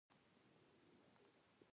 ځکه ما ته یې له ډېرې مودې راهیسې زړه ډک و.